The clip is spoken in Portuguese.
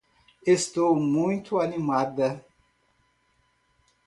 Estou muito animada